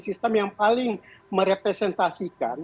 sistem yang paling merepresentasikan